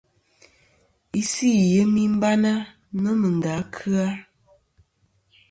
Isɨ i yemi bana nomɨ nda kɨ-a.